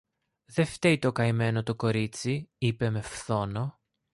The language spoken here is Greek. Δε φταίει το καημένο το κορίτσι, είπε με φθόνο.